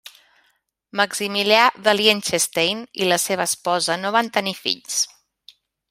Maximilià de Liechtenstein i la seva esposa no van tenir fills.